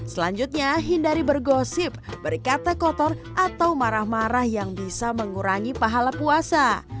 selanjutnya hindari bergosip berkata kotor atau marah marah yang bisa mengurangi pahala puasa